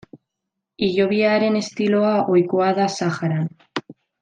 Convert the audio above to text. Hilobiaren estiloa ohikoa da Saharan.